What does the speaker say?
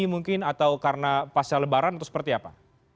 mungkin atau karena pasca lebaran atau seperti apa